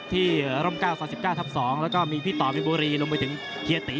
ที่ร่ม๙๒๙ทับ๒แล้วก็มีพี่ตอบวิบุรีลงไปถึงเคยตี